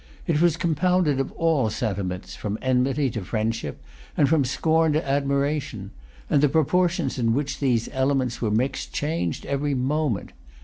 It was compounded of all sentiments, from enmity to friendship, and from scorn to admiration; and the proportions in which these elements were mixed changed every moment.